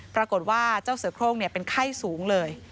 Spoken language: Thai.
ปรากฏว่าเจ้าเสือโครงเป็นไข้สูงเลย